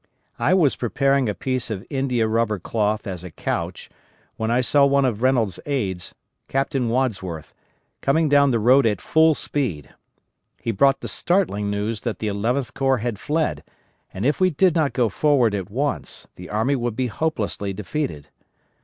I was preparing a piece of india rubber cloth as a couch when I saw one of Reynolds' aids, Captain Wadsworth, coming down the road at full speed. He brought the startling news that the Eleventh Corps had fled, and if we did not go forward at once, the army would be hopelessly defeated.